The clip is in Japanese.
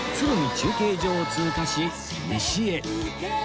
中継所を通過し西へ